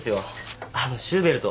あのシューベルト